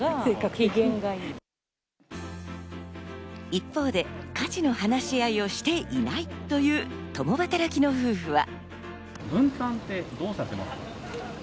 一方で、家事の話し合いをしていないという共働きの夫婦は。